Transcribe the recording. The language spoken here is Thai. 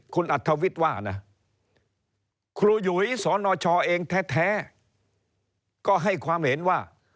คุณอัธวิทย์ว่านะครูหยุยสนชเองแท้ก็ให้ความเห็นว่า